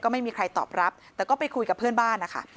ไม่มีใครตอบรับแต่ก็ไปคุยกับเพื่อนบ้านนะคะ